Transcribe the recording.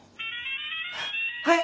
はい。